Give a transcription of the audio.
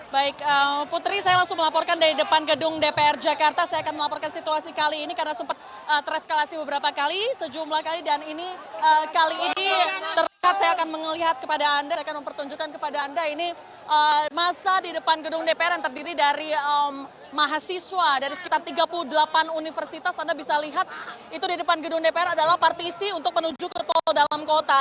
baik putri saya langsung melaporkan dari depan gedung dpr jakarta